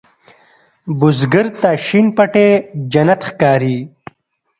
بزګر ته شین پټی جنت ښکاري